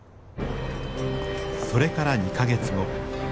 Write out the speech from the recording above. それから２か月後。